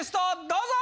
どうぞ。